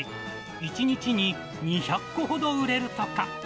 １日に２００個ほど売れるとか。